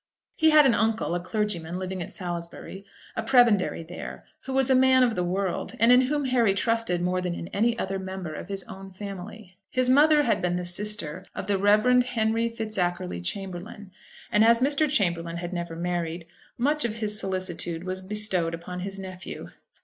He had an uncle, a clergyman, living at Salisbury, a prebendary there, who was a man of the world, and in whom Harry trusted more than in any other member of his own family. His mother had been the sister of the Rev. Henry Fitzackerly Chamberlaine; and as Mr. Chamberlaine had never married, much of his solicitude was bestowed upon his nephew.